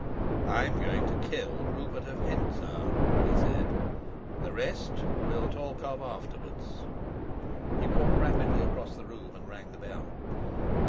"I'm going to kill Rupert of Hentzau," he said. "The rest we'll talk of afterwards." He walked rapidly across the room and rang the bell.